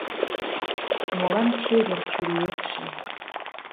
Молан чевер чуриетше